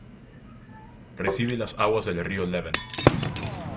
Recibe las aguas del río Leven.